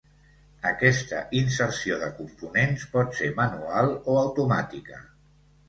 Aquesta inserció de components pot ser manual o automàtica.